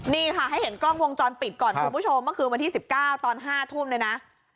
นี่ค่ะให้เห็นกล้องวงจรปิดก่อนคุณผู้ชมเมื่อคืนวันที่๑๙ตอน๕ทุ่มเลยนะ